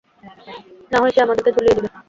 নাহয় সে আমাদেরকে ঝুলিয়ে দিবে।